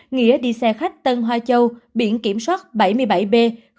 nghĩa đi xe khách tân hoa châu biển kiểm soát bảy mươi bảy b hai nghìn bốn trăm năm mươi bảy